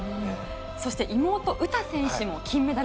そして妹詩選手も金メダル候補ですね。